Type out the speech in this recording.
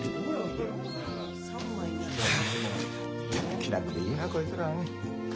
気楽でいいなこいつらは。